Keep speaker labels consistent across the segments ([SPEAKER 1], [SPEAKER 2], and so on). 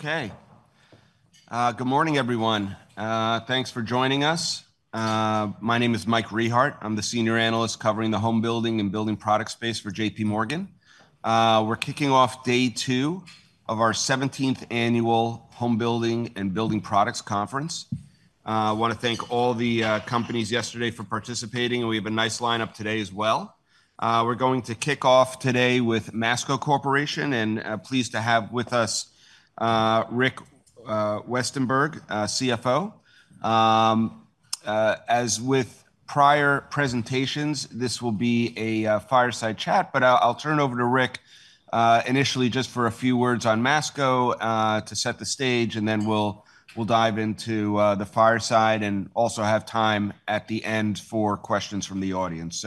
[SPEAKER 1] Okay. Good morning, everyone. Thanks for joining us. My name is Mike Rehaut. I'm the senior analyst covering the home building and building product space for JPMorgan. We're kicking off day two of our 17th Annual Homebuilding and Building Products Conference. I want to thank all the companies yesterday for participating, and we have a nice lineup today as well. We're going to kick off today with Masco Corporation, and pleased to have with us Rick Westenberg, CFO. As with prior presentations, this will be a fireside chat, but I'll turn it over to Rick initially just for a few words on Masco to set the stage, and then we'll dive into the fireside and also have time at the end for questions from the audience.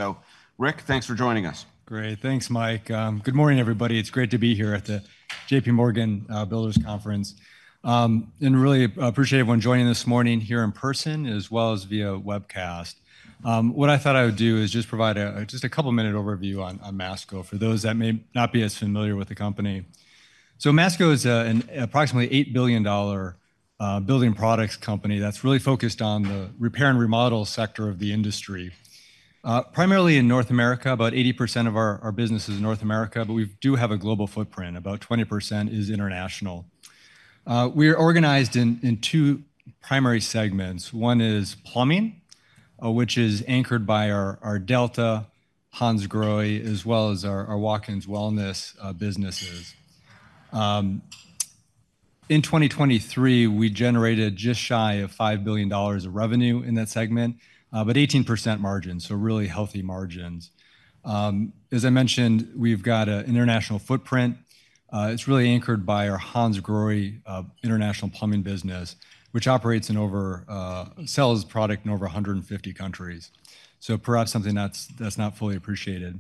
[SPEAKER 1] Rick, thanks for joining us.
[SPEAKER 2] Great. Thanks, Mike. Good morning, everybody. It's great to be here at the JPMorgan builders conference. And really appreciate everyone joining this morning here in person, as well as via webcast. What I thought I would do is just provide a just a couple-minute overview on on Masco for those that may not be as familiar with the company. So Masco is an approximately $8 billion building products company that's really focused on the repair and remodel sector of the industry. Primarily in North America. About 80% of our our business is North America, but we do have a global footprint. About 20% is international. We are organized in in two primary segments. One is plumbing which is anchored by our our Delta, Hansgrohe as well as our our Watkins Wellness businesses. In 2023, we generated just shy of $5 billion of revenue in that segment, but 18% margin, so really healthy margins. As I mentioned, we've got an international footprint. It's really anchored by our Hansgrohe international plumbing business, which operates in over, sells product in over 150 countries. So perhaps something that's, that's not fully appreciated.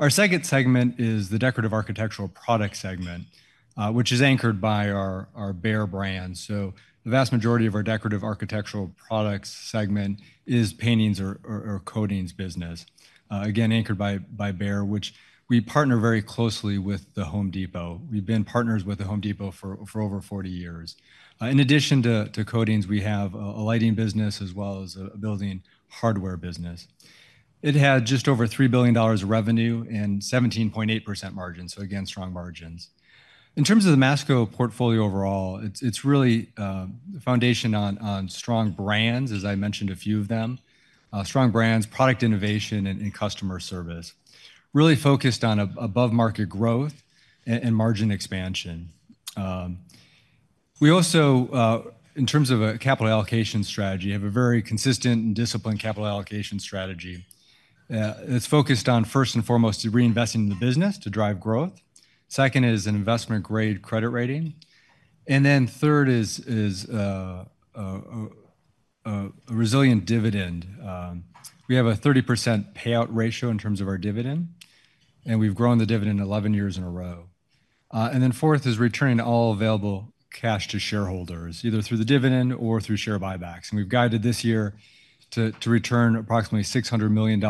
[SPEAKER 2] Our second segment is the decorative architectural product segment, which is anchored by our, our Behr brand. So the vast majority of our decorative architectural products segment is paintings or, or, or coatings business. Again, anchored by, by Behr, which we partner very closely with The Home Depot. We've been partners with The Home Depot for, for over 40 years. In addition to, to coatings, we have a, a lighting business as well as a building hardware business. It had just over $3 billion of revenue and 17.8% margin, so again, strong margins. In terms of the Masco portfolio overall, foundation on strong brands, as I mentioned, a few of them. Strong brands, product innovation and customer service, really focused on a above-market growth and margin expansion. We also, in terms of a capital allocation strategy, have a very consistent and disciplined capital allocation strategy. It's focused on, first and foremost, reinvesting in the business to drive growth. Second is an investment-grade credit rating, and then third is a resilient dividend. We have a 30% payout ratio in terms of our dividend, and we've grown the dividend 11 years in a row. And then fourth is returning all available cash to shareholders, either through the dividend or through share buybacks, and we've guided this year to return approximately $600 million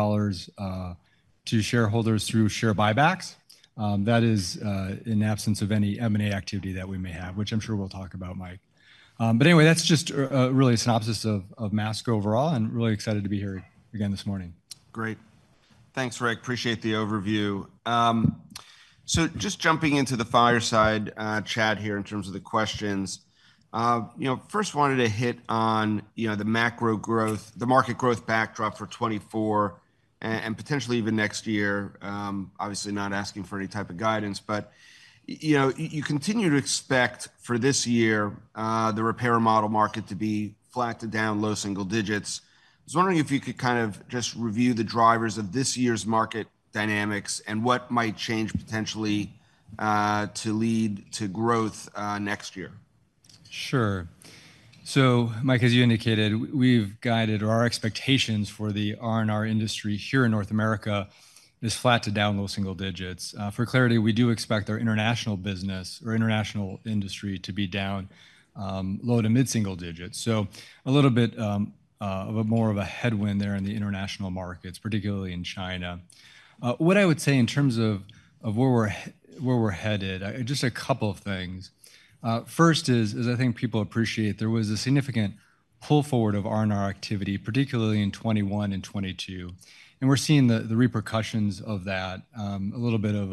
[SPEAKER 2] to shareholders through share buybacks. That is in absence of any M&A activity that we may have, which I'm sure we'll talk about, Mike. But anyway, that's just a really synopsis of Masco overall, and really excited to be here again this morning.
[SPEAKER 1] Great. Thanks, Rick. Appreciate the overview. So just jumping into the fireside chat here in terms of the questions, you know, first wanted to hit on, you know, the macro growth, the market growth backdrop for 2024, and potentially even next year. Obviously, not asking for any type of guidance, but, you know, you continue to expect for this year the repair and remodel market to be flat to down low single digits. I was wondering if you could kind of just review the drivers of this year's market dynamics and what might change potentially to lead to growth next year.
[SPEAKER 2] Sure. So Mike, as you indicated, we've guided, or our expectations for the R&R industry here in North America is flat to down low single digits. For clarity, we do expect our international business or international industry to be down low to mid-single digits. So a little bit of a more of a headwind there in the international markets, particularly in China. What I would say in terms of where we're headed, just a couple of things. First is I think people appreciate there was a significant pull forward of R&R activity, particularly in 2021 and 2022, and we're seeing the repercussions of that, a little bit of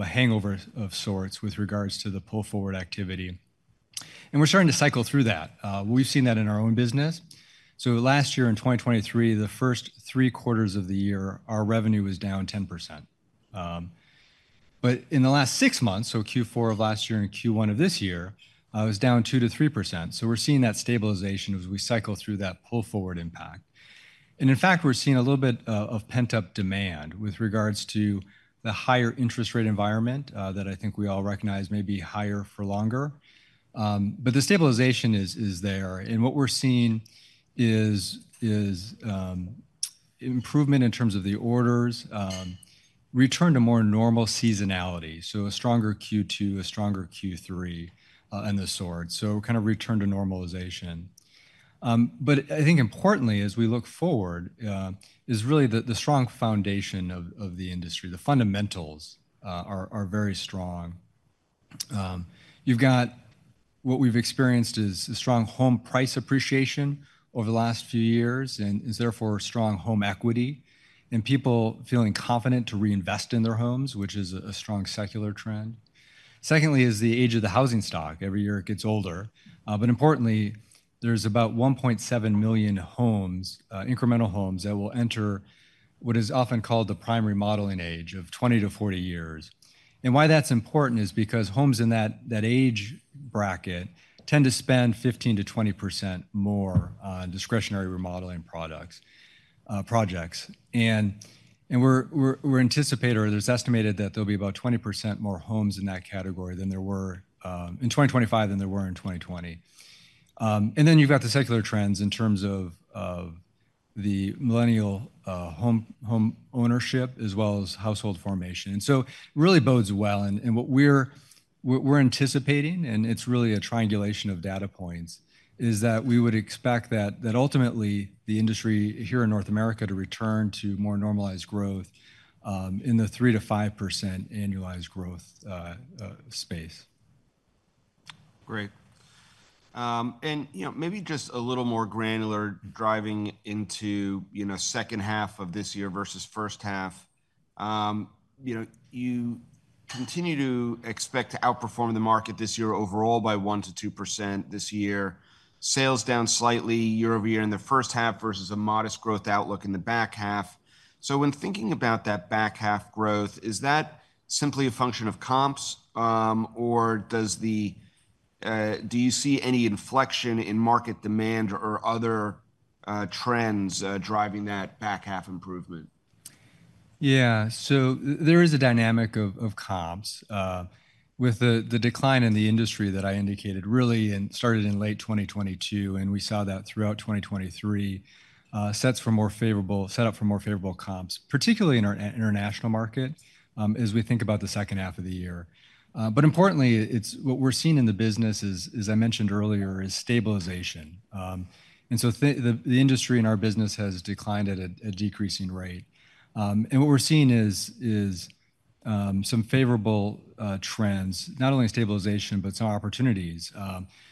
[SPEAKER 2] a hangover of sorts with regards to the pull-forward activity. And we're starting to cycle through that. We've seen that in our own business. So last year, in 2023, the first three quarters of the year, our revenue was down 10%. But in the last six months, so Q4 of last year and Q1 of this year, was down 2%-3%. So we're seeing that stabilization as we cycle through that pull-forward impact. And in fact, we're seeing a little bit of pent-up demand with regards to the higher interest rate environment that I think we all recognize may be higher for longer. But the stabilization is there, and what we're seeing is improvement in terms of the orders, return to more normal seasonality, so a stronger Q2, a stronger Q3, and the sort, so kind of return to normalization. But I think importantly, as we look forward, is really the strong foundation of the industry. The fundamentals are very strong. You've got what we've experienced is a strong home price appreciation over the last few years, and is therefore strong home equity, and people feeling confident to reinvest in their homes, which is a strong secular trend. Secondly is the age of the housing stock. Every year it gets older. But importantly, there's about 1.7 million homes, incremental homes that will enter what is often called the primary remodeling age of 20-40 years. And why that's important is because homes in that age bracket tend to spend 15%-20% more on discretionary remodeling products, projects. It is estimated that there'll be about 20% more homes in that category than there were in 2025 than there were in 2020. And then you've got the secular trends in terms of the millennial home ownership, as well as household formation. And so it really bodes well, and what we're anticipating, and it's really a triangulation of data points, is that we would expect that ultimately, the industry here in North America to return to more normalized growth in the 3%-5% annualized growth space.
[SPEAKER 1] Great. And, you know, maybe just a little more granular, driving into, you know, second half of this year versus first half. You know, you continue to expect to outperform the market this year overall by 1%-2% this year. Sales down slightly year-over-year in the first half versus a modest growth outlook in the back half. So when thinking about that back half growth, is that simply a function of comps, or does do you see any inflection in market demand or other trends driving that back-half improvement?
[SPEAKER 2] Yeah. So there is a dynamic of comps with the decline in the industry that I indicated, really, and started in late 2022, and we saw that throughout 2023, sets up for more favorable comps, particularly in our international market, as we think about the second half of the year. But importantly, what we're seeing in the business is, as I mentioned earlier, stabilization. And so the industry in our business has declined at a decreasing rate. And what we're seeing is some favorable trends, not only stabilization, but some opportunities.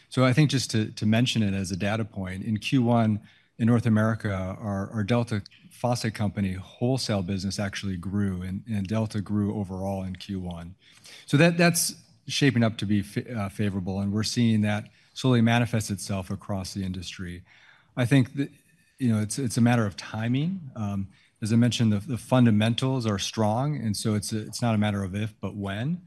[SPEAKER 2] So I think just to mention it as a data point, in Q1, in North America, our Delta Faucet Company wholesale business actually grew, and Delta grew overall in Q1. So that's shaping up to be favorable, and we're seeing that slowly manifest itself across the industry. I think that, you know, it's a matter of timing. As I mentioned, the fundamentals are strong, and so it's not a matter of if, but when.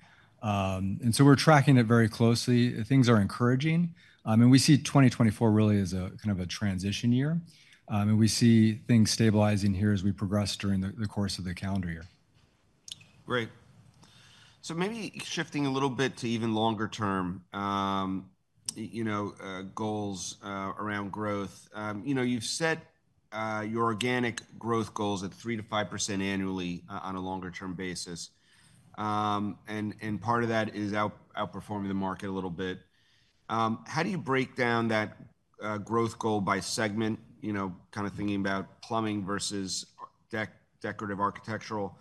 [SPEAKER 2] And so we're tracking it very closely. Things are encouraging, and we see 2024 really as a kind of a transition year, and we see things stabilizing here as we progress during the course of the calendar year.
[SPEAKER 1] Great. So maybe shifting a little bit to even longer term, you know, goals around growth. You know, you've set your organic growth goals at 3%-5% annually on a longer-term basis. And part of that is outperforming the market a little bit. How do you break down that growth goal by segment, you know, kind of thinking about plumbing versus decorative architectural,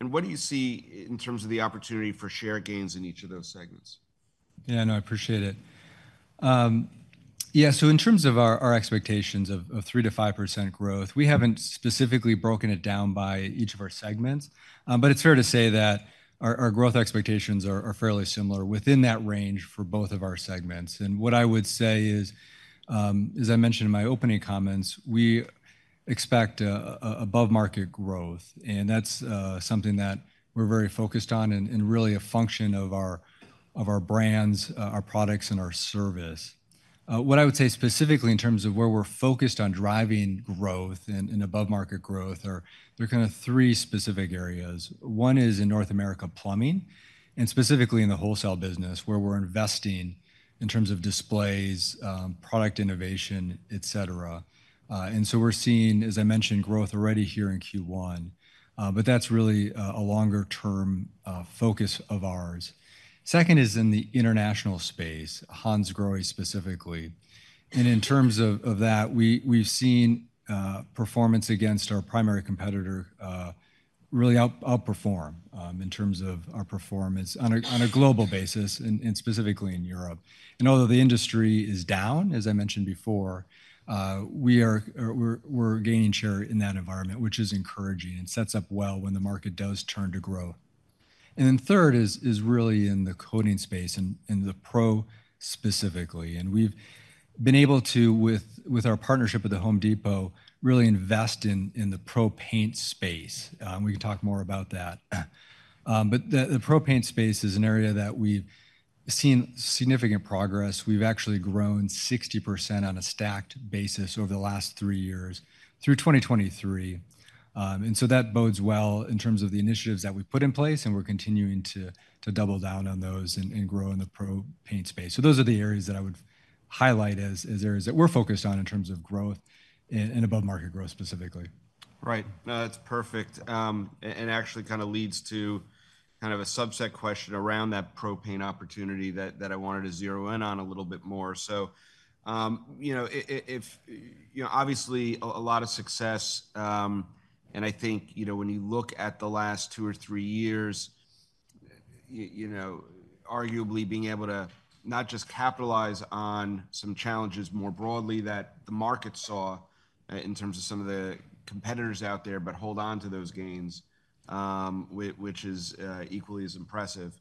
[SPEAKER 1] and what do you see in terms of the opportunity for share gains in each of those segments?
[SPEAKER 2] Yeah, no, I appreciate it. Yeah, so in terms of our expectations of 3%-5% growth, we haven't specifically broken it down by each of our segments, but it's fair to say that our growth expectations are fairly similar within that range for both of our segments. And what I would say is, as I mentioned in my opening comments, we expect above-market growth, and that's something that we're very focused on and really a function of our brands, our products, and our service. What I would say specifically in terms of where we're focused on driving growth and above-market growth, there are kind of three specific areas. One is in North America plumbing, and specifically in the wholesale business, where we're investing in terms of displays, product innovation, etc. And so we're seeing, as I mentioned, growth already here in Q1, but that's really a longer-term focus of ours. Second is in the international space, Hansgrohe specifically. And in terms of that, we've seen performance against our primary competitor really outperform in terms of our performance on a global basis and specifically in Europe. And although the industry is down, as I mentioned before, we're gaining share in that environment, which is encouraging and sets up well when the market does turn to grow. And then third is really in the coatings space and in the pro specifically. And we've been able to, with our partnership with The Home Depot, really invest in the pro paint space, and we can talk more about that. But the pro paint space is an area that we've seen significant progress. We've actually grown 60% on a stacked basis over the last three years through 2023. And so that bodes well in terms of the initiatives that we've put in place, and we're continuing to double down on those and grow in the pro paint space. So those are the areas that I would highlight as areas that we're focused on in terms of growth and above market growth, specifically....
[SPEAKER 1] Right. No, that's perfect, and actually kinda leads to kind of a subset question around that pro paint opportunity that I wanted to zero in on a little bit more. So, you know, if you know, obviously a lot of success, and I think, you know, when you look at the last two or three years, you know, arguably being able to not just capitalize on some challenges more broadly that the market saw in terms of some of the competitors out there, but hold on to those gains, which is equally as impressive.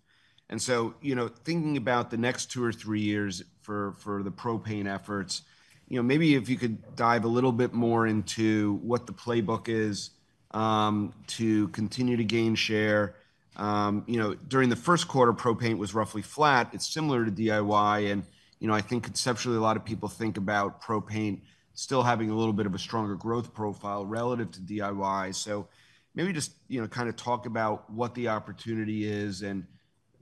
[SPEAKER 1] And so, you know, thinking about the next two or three years for the pro paint efforts, you know, maybe if you could dive a little bit more into what the playbook is to continue to gain share. You know, during the first quarter, pro paint was roughly flat. It's similar to DIY, and, you know, I think conceptually, a lot of people think about pro paint still having a little bit of a stronger growth profile relative to DIY. So maybe just, you know, kinda talk about what the opportunity is, and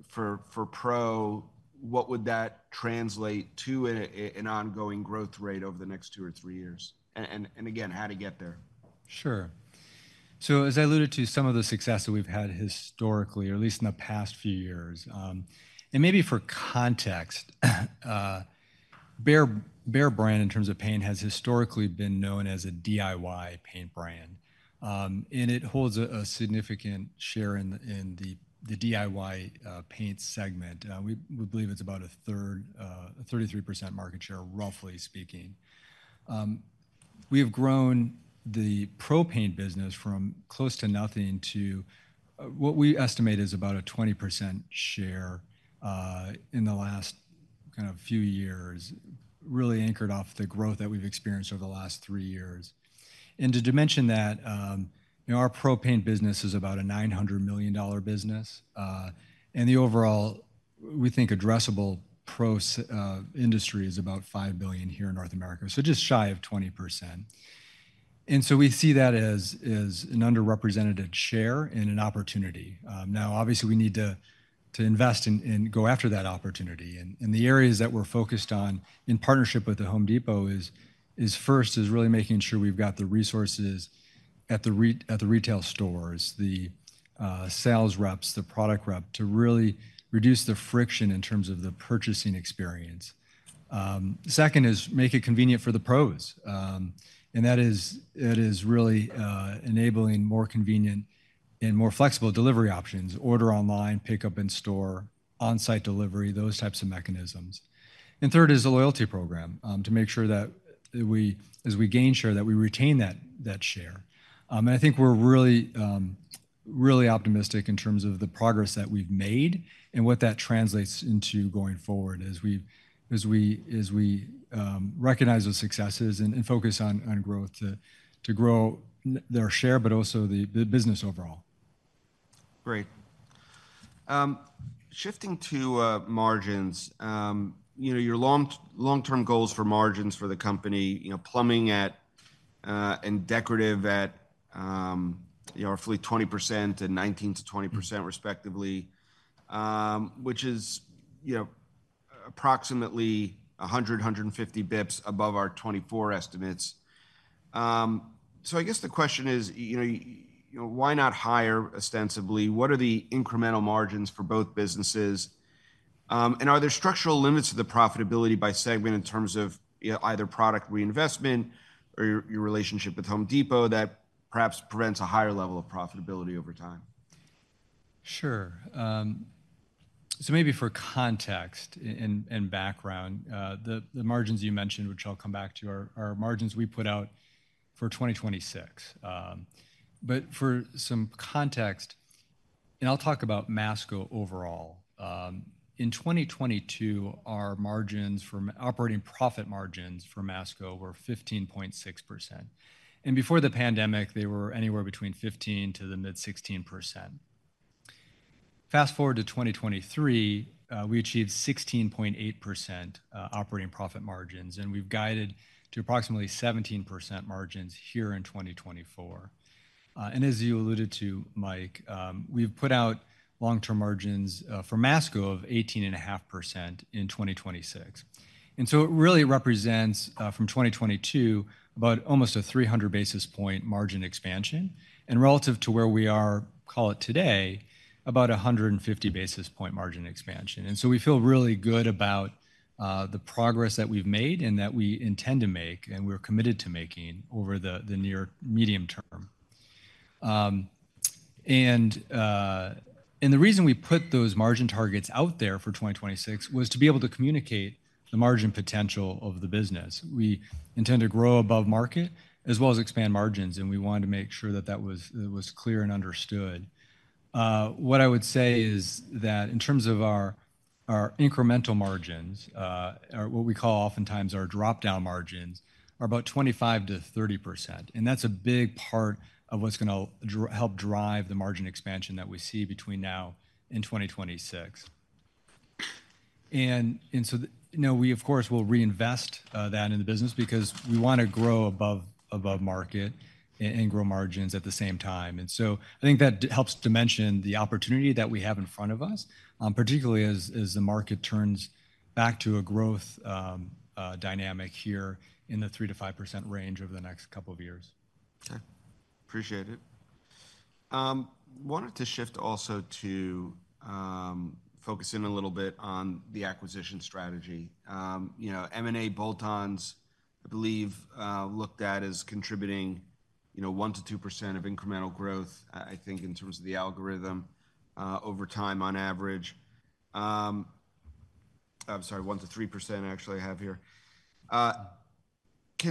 [SPEAKER 1] for pro, what would that translate to in an ongoing growth rate over the next two or three years? And again, how to get there.
[SPEAKER 2] Sure. So as I alluded to, some of the success that we've had historically, or at least in the past few years. And maybe for context, Behr, Behr brand, in terms of paint, has historically been known as a DIY paint brand, and it holds a significant share in the DIY paint segment. We believe it's about a third, 33% market share, roughly speaking. We have grown the pro paint business from close to nothing to what we estimate is about a 20% share in the last kind of few years, really anchored off the growth that we've experienced over the last three years. To dimension that, you know, our pro paint business is about a $900 million business, and the overall, we think, addressable pro industry is about $5 billion here in North America, so just shy of 20%. And so we see that as, as an underrepresented share and an opportunity. Now, obviously, we need to invest and go after that opportunity, and the areas that we're focused on in partnership with The Home Depot is first really making sure we've got the resources at the retail stores, the sales reps, the product rep, to really reduce the friction in terms of the purchasing experience. Second is make it convenient for the pros, and that is, that is really enabling more convenient and more flexible delivery options, order online, pick up in store, on-site delivery, those types of mechanisms. And third is a loyalty program to make sure that we, as we gain share, that we retain that, that share. And I think we're really, really optimistic in terms of the progress that we've made and what that translates into going forward as we, as we, as we recognize those successes and, and focus on, on growth, to, to grow our share, but also the, the business overall.
[SPEAKER 1] Great. Shifting to margins, you know, your long-term goals for margins for the company, you know, plumbing at and decorative at, you know, roughly 20% and 19%-20%, respectively, which is, you know, approximately 150 basis points above our 2024 estimates. So I guess the question is, you know, why not higher, ostensibly? What are the incremental margins for both businesses? And are there structural limits to the profitability by segment in terms of, you know, either product reinvestment or your relationship with Home Depot that perhaps prevents a higher level of profitability over time?
[SPEAKER 2] Sure. So maybe for context and background, the margins you mentioned, which I'll come back to, are margins we put out for 2026. But for some context, and I'll talk about Masco overall, in 2022, our operating profit margins for Masco were 15.6%, and before the pandemic, they were anywhere between 15% to the mid-16%. Fast-forward to 2023, we achieved 16.8% operating profit margins, and we've guided to approximately 17% margins here in 2024. And as you alluded to, Mike, we've put out long-term margins for Masco of 18.5% in 2026. And so it really represents, from 2022, about almost a 300 basis point margin expansion, and relative to where we are, call it today, about a 150 basis point margin expansion. And so we feel really good about the progress that we've made and that we intend to make, and we're committed to making over the near medium term. And the reason we put those margin targets out there for 2026 was to be able to communicate the margin potential of the business. We intend to grow above market, as well as expand margins, and we wanted to make sure that that was clear and understood. What I would say is that in terms of our, our incremental margins, or what we call oftentimes our drop-down margins, are about 25%-30%, and that's a big part of what's gonna help drive the margin expansion that we see between now and 2026. So, you know, we of course will reinvest that in the business because we wanna grow above, above market and grow margins at the same time. So I think that helps dimension the opportunity that we have in front of us, particularly as the market turns back to a growth dynamic here in the 3%-5% range over the next couple of years.
[SPEAKER 1] Okay. Appreciate it. Wanted to shift also to focus in a little bit on the acquisition strategy. You know, M&A bolt-ons, I believe, looked at as contributing, you know, 1%-2% of incremental growth, I think, in terms of the algorithm, over time on average. I'm sorry, 1%-3%, actually, I have here.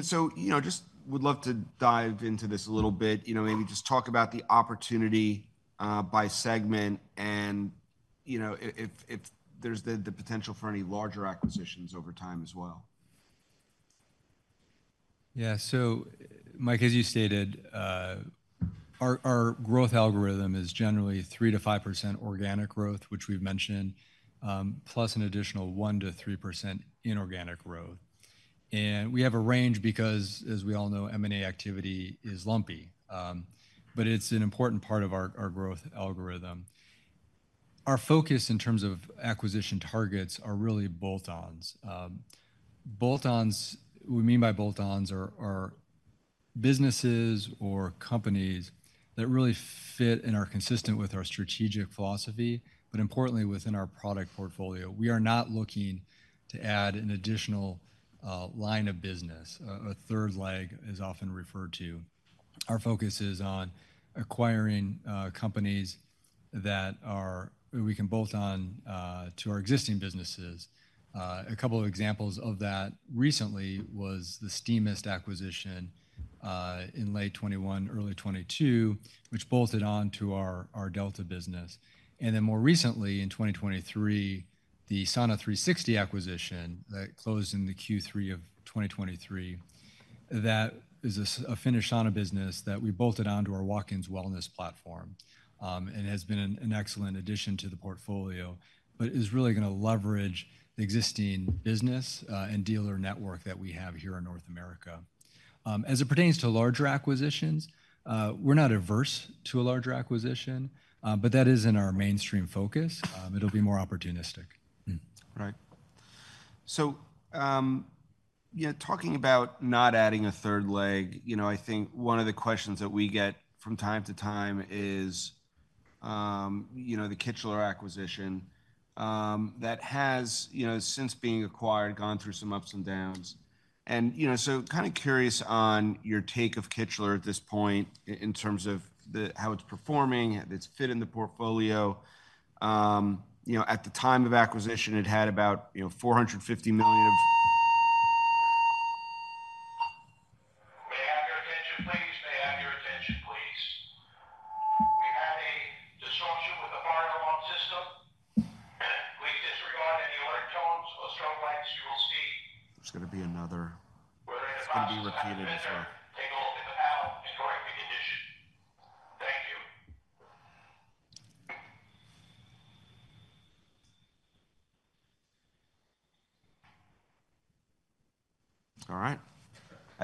[SPEAKER 1] So, you know, just would love to dive into this a little bit, you know, maybe just talk about the opportunity, by segment and, you know, if there's the potential for any larger acquisitions over time as well.
[SPEAKER 2] Yeah. So Mike, as you stated, our growth algorithm is generally 3%-5% organic growth, which we've mentioned, plus an additional 1%-3% inorganic growth. We have a range because, as we all know, M&A activity is lumpy, but it's an important part of our growth algorithm. Our focus in terms of acquisition targets are really bolt-ons. Bolt-ons, what we mean by bolt-ons are businesses or companies that really fit and are consistent with our strategic philosophy, but importantly, within our product portfolio. We are not looking to add an additional line of business, a third leg, as often referred to. Our focus is on acquiring companies that we can bolt on to our existing businesses. A couple of examples of that recently was the Steamist acquisition in late 2021, early 2022, which bolted on to our Delta business. And then more recently in 2023, the Sauna360 acquisition that closed in the Q3 of 2023, that is a Finnish sauna business that we bolted onto our Watkins Wellness platform, and has been an excellent addition to the portfolio, but is really gonna leverage the existing business and dealer network that we have here in North America. As it pertains to larger acquisitions, we're not averse to a larger acquisition, but that isn't our mainstream focus. It'll be more opportunistic.
[SPEAKER 1] Right. So, yeah, talking about not adding a third leg, you know, I think one of the questions that we get from time to time is, you know, the Kichler acquisition, that has, you know, since being acquired, gone through some ups and downs.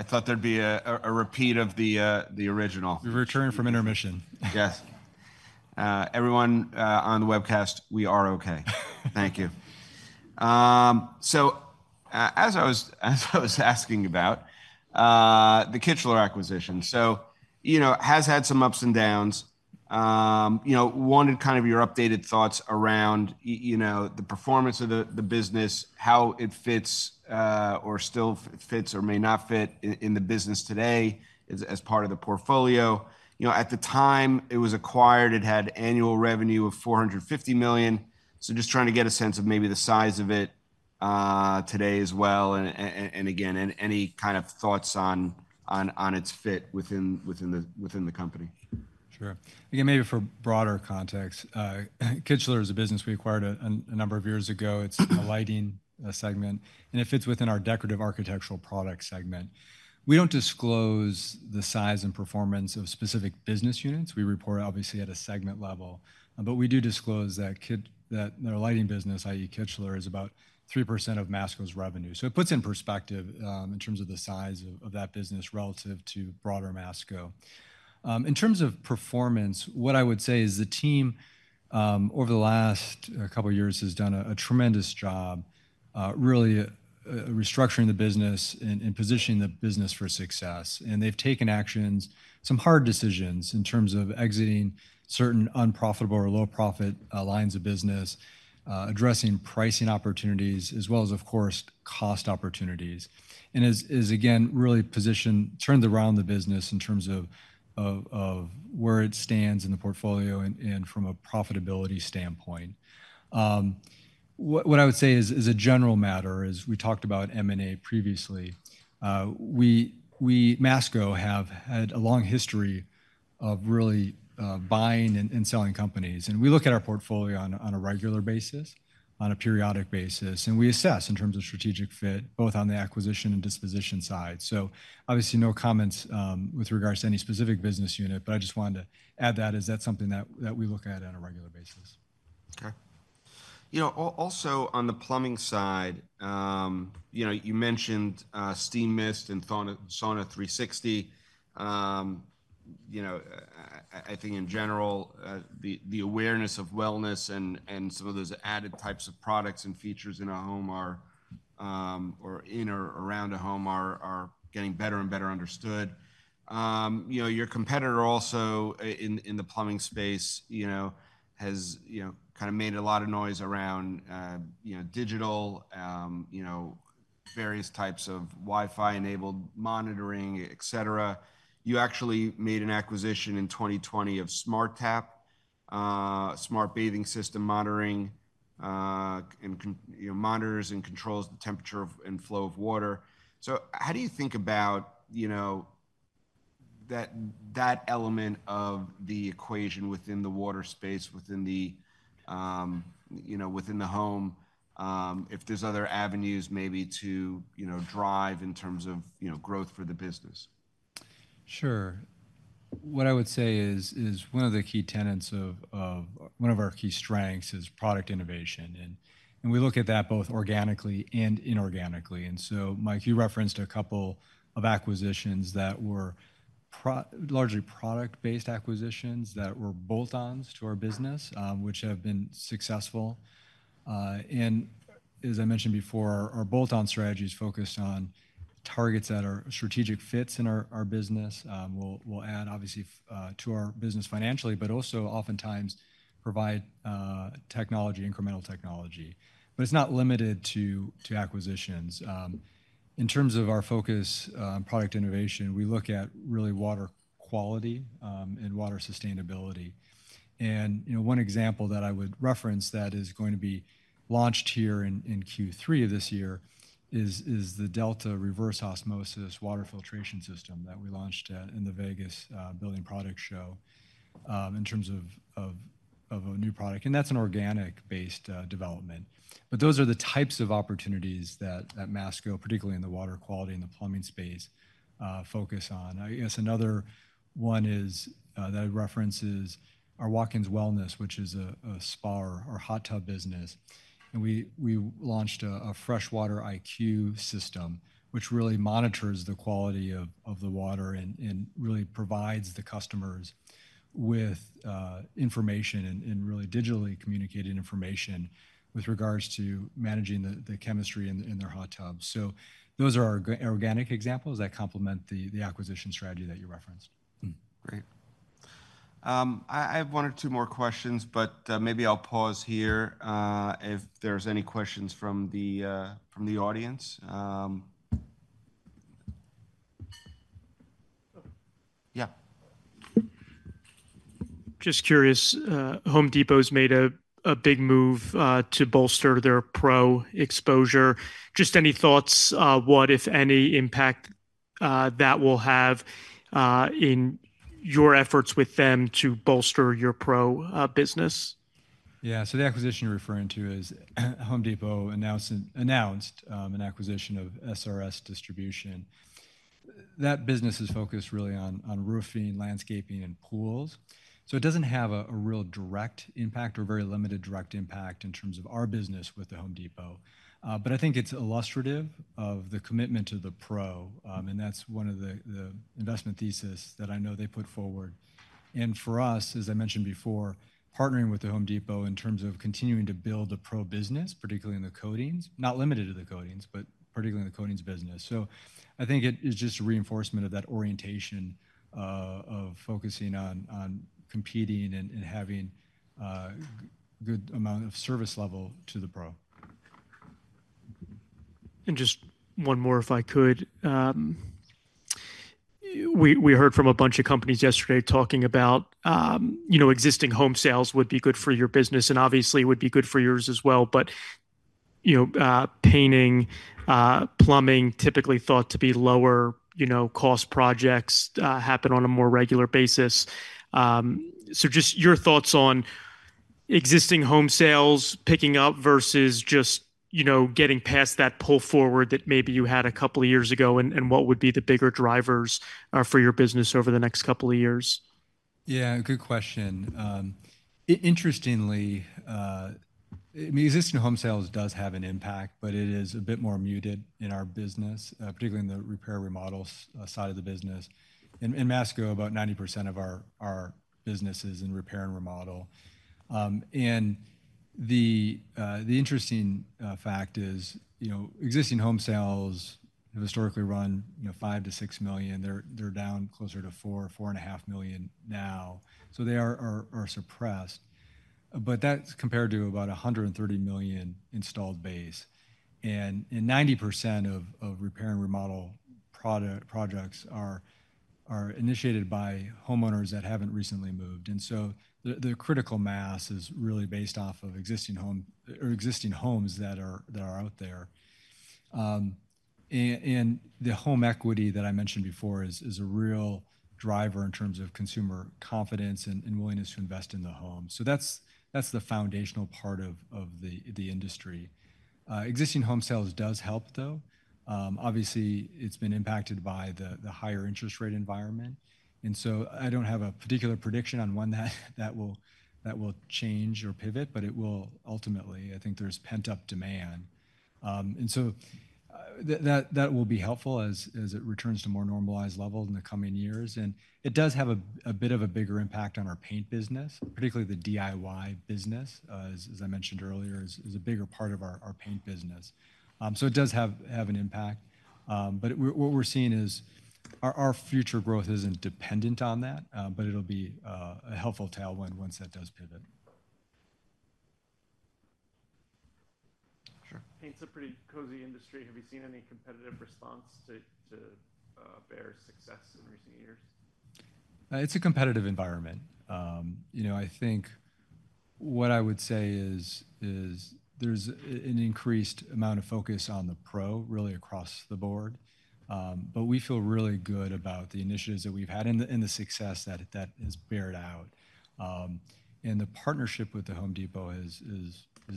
[SPEAKER 1] I thought there'd be a repeat of the original.
[SPEAKER 2] We're returning from intermission.
[SPEAKER 1] Yes. Everyone on the webcast, we are okay. Thank you. So, as I was asking about the Kichler acquisition. So, you know, it has had some ups and downs. You know, wanted kind of your updated thoughts around you know, the performance of the business, how it fits, or still fits or may not fit in the business today as part of the portfolio. You know, at the time it was acquired, it had annual revenue of $450 million. So just trying to get a sense of maybe the size of it today as well, and again, and any kind of thoughts on its fit within the company.
[SPEAKER 2] Sure. Again, maybe for broader context, Kichler is a business we acquired a number of years ago. It's a lighting segment, and it fits within our decorative architectural product segment. We don't disclose the size and performance of specific business units. We report, obviously, at a segment level, but we do disclose that their lighting business, i.e., Kichler, is about 3% of Masco's revenue. So it puts in perspective in terms of the size of that business relative to broader Masco. In terms of performance, what I would say is the team over the last couple of years has done a tremendous job really restructuring the business and positioning the business for success. And they've taken actions, some hard decisions in terms of exiting certain unprofitable or low-profit lines of business, addressing pricing opportunities, as well as, of course, cost opportunities. And has again, really positioned, turned around the business in terms of where it stands in the portfolio and from a profitability standpoint. What I would say is, as a general matter, as we talked about M&A previously, we Masco have had a long history of really buying and selling companies. And we look at our portfolio on a regular basis, on a periodic basis, and we assess in terms of strategic fit, both on the acquisition and disposition side. So obviously, no comments with regards to any specific business unit, but I just wanted to add that, as that's something that we look at on a regular basis.
[SPEAKER 1] Okay. You know, also, on the plumbing side, you know, you mentioned Steamist and Sauna360. You know, I think in general the awareness of wellness and some of those added types of products and features in a home or in or around a home are getting better and better understood. You know, your competitor also in the plumbing space, you know, has kinda made a lot of noise around you know, digital, you know, various types of Wi-Fi-enabled monitoring, et cetera. You actually made an acquisition in 2020 of SmarTap, smart bathing system monitoring, and it monitors and controls the temperature of and flow of water. So how do you think about, you know, that, that element of the equation within the water space, within the, you know, within the home, if there's other avenues maybe to, you know, drive in terms of, you know, growth for the business?
[SPEAKER 2] Sure. What I would say is one of the key tenets of one of our key strengths is product innovation, and we look at that both organically and inorganically. And so, Mike, you referenced a couple of acquisitions that were largely product-based acquisitions that were bolt-ons to our business, which have been successful. And as I mentioned before, our bolt-on strategy is focused on targets that are strategic fits in our business, will add obviously to our business financially, but also oftentimes provide technology, incremental technology. But it's not limited to acquisitions. In terms of our focus on product innovation, we look at really water quality and water sustainability. You know, one example that I would reference that is going to be launched here in Q3 of this year is the Delta Reverse Osmosis water filtration system that we launched in the Las Vegas building products show in terms of a new product, and that's an organic-based development. But those are the types of opportunities that Masco, particularly in the water quality and the plumbing space, focus on. I guess another one that I reference is our Watkins Wellness, which is a spa or hot tub business, and we launched a FreshWater IQ system, which really monitors the quality of the water and really provides the customers with information and really digitally communicated information with regards to managing the chemistry in their hot tubs. So those are our organic examples that complement the acquisition strategy that you referenced. Mm.
[SPEAKER 1] Great. I have one or two more questions, but maybe I'll pause here, if there's any questions from the audience. Yeah.
[SPEAKER 3] Just curious, Home Depot's made a big move to bolster their pro exposure. Just any thoughts, what, if any, impact that will have in your efforts with them to bolster your pro business?
[SPEAKER 2] Yeah. So the acquisition you're referring to is Home Depot announced an acquisition of SRS Distribution. That business is focused really on roofing, landscaping, and pools, so it doesn't have a real direct impact or very limited direct impact in terms of our business with the Home Depot. But I think it's illustrative of the commitment to the pro, and that's one of the investment thesis that I know they put forward. And for us, as I mentioned before, partnering with the Home Depot in terms of continuing to build a pro business, particularly in the coatings, not limited to the coatings, but particularly in the coatings business. So I think it is just a reinforcement of that orientation, of focusing on competing and having good amount of service level to the pro.
[SPEAKER 3] And just one more, if I could. We heard from a bunch of companies yesterday talking about, you know, existing home sales would be good for your business, and obviously, it would be good for yours as well. But, you know, painting, plumbing, typically thought to be lower, you know, cost projects happen on a more regular basis. So just your thoughts on existing home sales picking up versus just, you know, getting past that pull forward that maybe you had a couple of years ago, and what would be the bigger drivers for your business over the next couple of years?
[SPEAKER 2] Yeah, good question. Interestingly, I mean, existing home sales does have an impact, but it is a bit more muted in our business, particularly in the repair and remodel side of the business. In Masco, about 90% of our business is in repair and remodel. And the interesting fact is, you know, existing home sales have historically run, you know, 5 million-6 million. They're down closer to 4 million-4.5 million now, so they are suppressed. But that's compared to about 130 million installed base, and 90% of repair and remodel product projects are initiated by homeowners that haven't recently moved. And so the critical mass is really based off of existing home, or existing homes that are out there. And the home equity that I mentioned before is a real driver in terms of consumer confidence and willingness to invest in the home. So that's the foundational part of the industry. Existing home sales does help, though. Obviously, it's been impacted by the higher interest rate environment, and so I don't have a particular prediction on when that will change or pivot, but it will ultimately. I think there's pent-up demand. That will be helpful as it returns to more normalized levels in the coming years. And it does have a bit of a bigger impact on our paint business, particularly the DIY business, as I mentioned earlier, is a bigger part of our paint business. So it does have an impact. But what we're seeing is our future growth isn't dependent on that, but it'll be a helpful tailwind once that does pivot. Sure.
[SPEAKER 4] Paint's a pretty cozy industry. Have you seen any competitive response to Behr's success in recent years?
[SPEAKER 2] It's a competitive environment. You know, I think what I would say is there's an increased amount of focus on the pro, really across the board. But we feel really good about the initiatives that we've had and the success that has borne out. And the partnership with The Home Depot has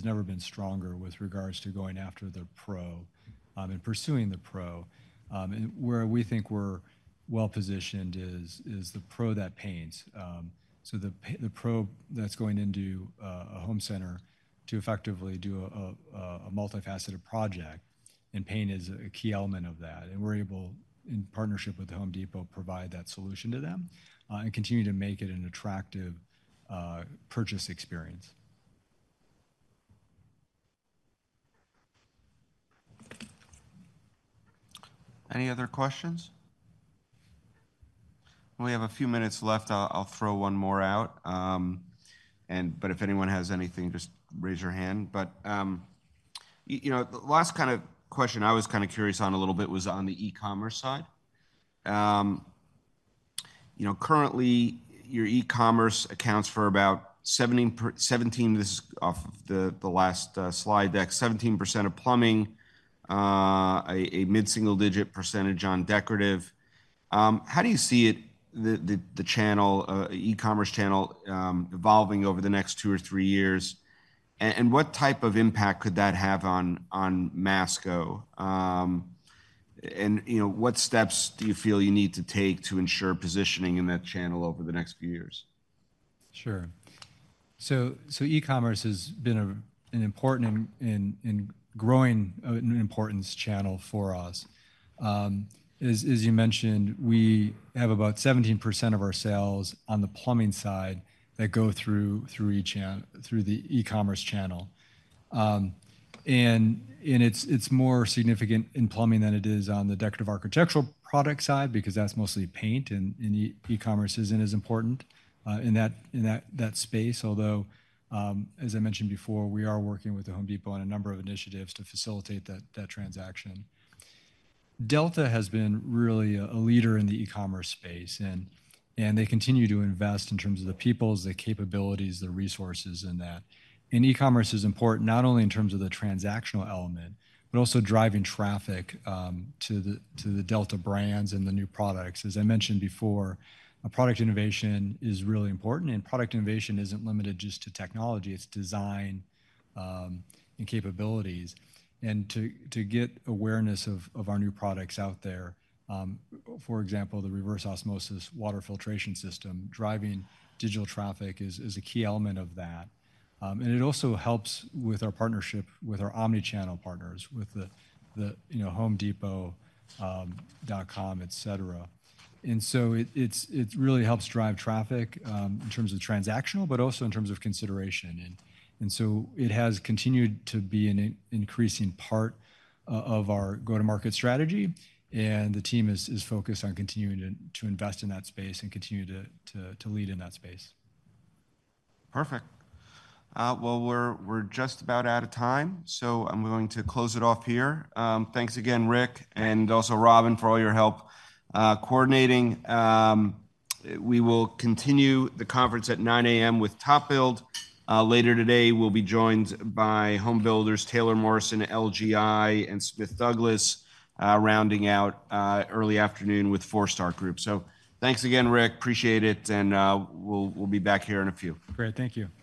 [SPEAKER 2] never been stronger with regards to going after the pro and pursuing the pro. And where we think we're well-positioned is the pro that paints. So the pro that's going into a home center to effectively do a multifaceted project, and paint is a key element of that, and we're able, in partnership with The Home Depot, provide that solution to them and continue to make it an attractive purchase experience.
[SPEAKER 1] Any other questions? We have a few minutes left. I'll throw one more out. And but if anyone has anything, just raise your hand. But, you know, the last kind of question I was kinda curious on a little bit was on the e-commerce side. You know, currently, your e-commerce accounts for about 17%, 17%, this is off of the last slide deck, 17% of plumbing, a mid-single-digit percentage on decorative. How do you see the e-commerce channel evolving over the next two or three years, and what type of impact could that have on Masco? You know, what steps do you feel you need to take to ensure positioning in that channel over the next few years?
[SPEAKER 2] Sure. E-commerce has been an important and growing in importance channel for us. As you mentioned, we have about 17% of our sales on the plumbing side that go through the e-commerce channel. And it's more significant in plumbing than it is on the decorative architectural product side, because that's mostly paint, and e-commerce isn't as important in that space. Although, as I mentioned before, we are working with The Home Depot on a number of initiatives to facilitate that transaction. Delta has been really a leader in the e-commerce space, and they continue to invest in terms of the people, the capabilities, the resources in that. E-commerce is important, not only in terms of the transactional element, but also driving traffic to the Delta brands and the new products. As I mentioned before, product innovation is really important, and product innovation isn't limited just to technology, it's design and capabilities. And to get awareness of our new products out there, for example, the reverse osmosis water filtration system, driving digital traffic is a key element of that. And it also helps with our partnership with our omni-channel partners, with the you know, homedepot.com, et cetera. And so it really helps drive traffic in terms of transactional, but also in terms of consideration. And so it has continued to be an increasing part of our go-to-market strategy, and the team is focused on continuing to invest in that space and continue to lead in that space.
[SPEAKER 1] Perfect. Well, we're, we're just about out of time, so I'm going to close it off here. Thanks again, Rick, and also Robin, for all your help, coordinating. We will continue the conference at 9:00 A.M. with TopBuild. Later today, we'll be joined by home builders, Taylor Morrison, LGI, and Smith Douglas, rounding out, early afternoon with Forestar Group. So thanks again, Rick. Appreciate it, and, we'll, we'll be back here in a few.
[SPEAKER 2] Great. Thank you.
[SPEAKER 1] Thanks.